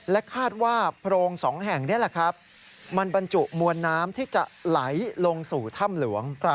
คาดว่าโพรงสองแห่งนี้แหละครับมันบรรจุมวลน้ำที่จะไหลลงสู่ถ้ำหลวง